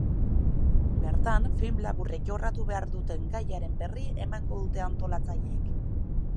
Bertan film laburrek jorratu behar duten gaiaren berri emango dute antolatzaileek.